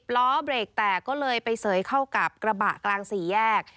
ล้อเบรกแตกก็เลยไปเสยเข้ากับกระบะกลางสี่แยก